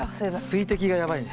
水滴がやばいね。